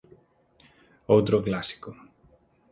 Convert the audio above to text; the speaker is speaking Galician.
Outro clásico.